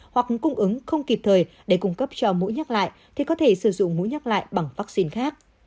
hoặc cung ứng không kịp thời để cung cấp cho mũi nhắc lại thì có thể sử dụng mũi nhắc lại bằng vaccine khác